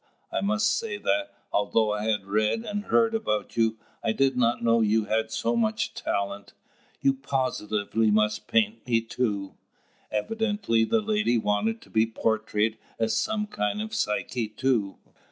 I must say that, although I had read and heard about you, I did not know you had so much talent. You positively must paint me too." Evidently the lady wanted to be portrayed as some kind of Psyche too.